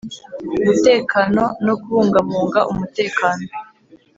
mutekano no kubungabunga umutekano